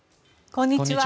こんにちは。